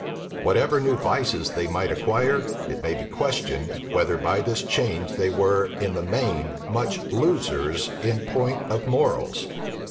Whatever new vices they might acquire, it may be questioned, whether by this change they were, in the main, much losers in point of morals.